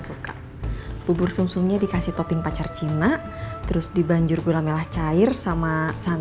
suka bubur sumsum nya dikasih topping pacar cina terus dibanjur gula melah cair sama santan